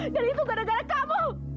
dan itu gara gara kamu